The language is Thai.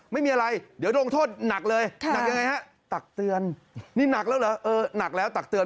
ไม่มีอะไรเดี๋ยวลงโทษหนักเลยหนักยังไงฮะตักเตือนนี่หนักแล้วเหรอเออหนักแล้วตักเตือน